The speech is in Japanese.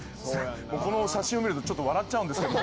この写真を見るとちょっと笑っちゃうんですけど。